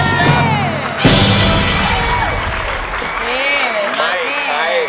นี่มาที่